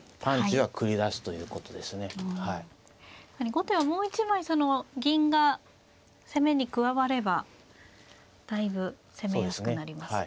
後手はもう一枚その銀が攻めに加わればだいぶ攻めやすくなりますね。